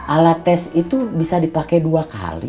alat tes itu bisa dipakai dua kali